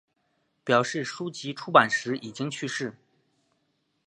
表示书籍出版时已经去世。